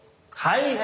はい。